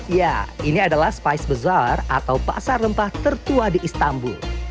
ya ini adalah spice besar atau pasar rempah tertua di istanbul